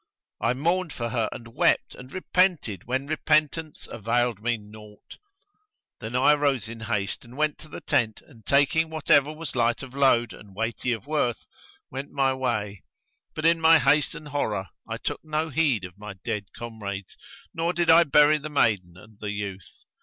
I mourned for her and wept and repented when repentance availed me naught. Then I arose in haste and went to the tent and, taking whatever was light of load and weighty of worth, went my way; but in my haste and horror I took no heed of my dead comrades, nor did I bury the maiden and the youth.